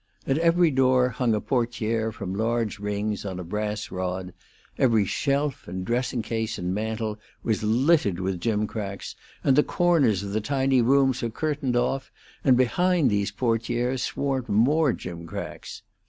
At every door hung a portiere from large rings on a brass rod; every shelf and dressing case and mantel was littered with gimcracks, and the corners of the tiny rooms were curtained off, and behind these portieres swarmed more gimcracks.